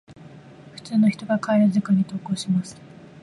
普通の人が帰る時間に登校します。